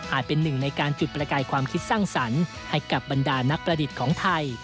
เป็นหนึ่งในการจุดประกายความคิดสร้างสรรค์ให้กับบรรดานักประดิษฐ์ของไทย